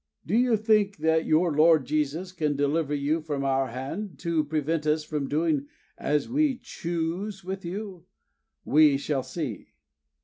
Do you think your Lord Jesus can deliver you from our hand, or prevent us from doing as we choose with you? We shall see!"